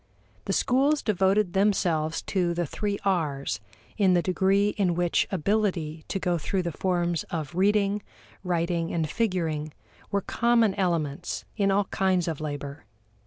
The schools devoted themselves to the three R's in the degree in which ability to go through the forms of reading, writing, and figuring were common elements in all kinds of labor.